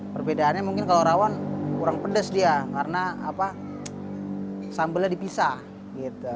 perbedaannya mungkin kalau rawon kurang pedes dia karena apa sambalnya dipisah gitu